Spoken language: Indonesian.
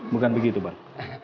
bukan begitu bang